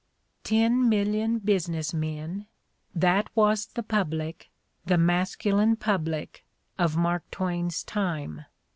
Ten million business men — that was the public, the masculine public, of Mark Twain's time.